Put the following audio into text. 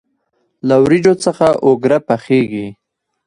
له وریجو څخه اوگره پخیږي.